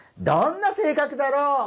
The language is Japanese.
どんな性格だろう？